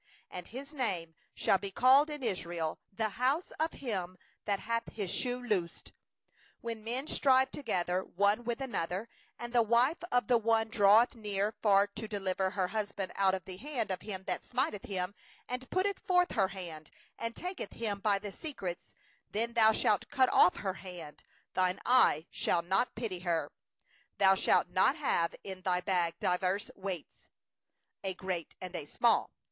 10And his name shall be called in Israel The house of him that had his shoe loosed. 11When men strive together one with another, and the wife of the one draweth near to deliver her husband out of the hand of him that smiteth him, and putteth forth her hand, and taketh him by the secrets; 12then thou shalt cut off her hand, thine eye shall have no pity. 13Thou shalt not have in thy bag diverse weights, a great and a small.